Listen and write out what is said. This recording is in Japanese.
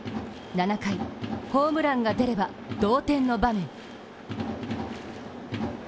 ７回、ホームランが出れば同点の場面。